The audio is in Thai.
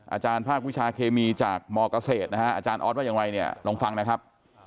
อาจารย์ภาควิชาเคมีจากมเกษตรนะฮะอาจารย์ออสว่าอย่างไรเนี่ยลองฟังนะครับ